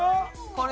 これ。